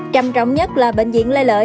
trầm trọng nhất là bệnh viện lê lợi